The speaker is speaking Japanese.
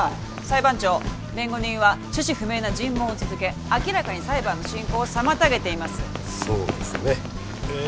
裁判長弁護人は趣旨不明な尋問を続け明らかに裁判の進行を妨げていますそうですねええ